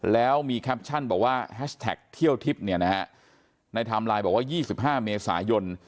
แล้วมีแคปชั่นบอกว่าแฮชแท็กเที่ยวทิปในไทม์ไลน์บอกว่า๒๕เมษายน